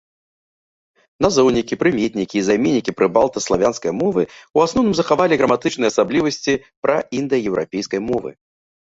Назоўнікі, прыметнікі і займеннікі прабалта-славянскай мовы ў асноўным захавалі граматычныя асаблівасці праіндаеўрапейскай мовы.